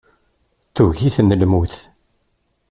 Tugi-ten lmut.